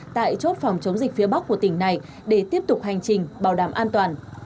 tại chốt phòng chống dịch phía bắc của tỉnh này để tiếp tục hành trình bảo đảm an toàn